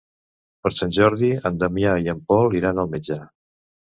Per Sant Jordi en Damià i en Pol iran al metge.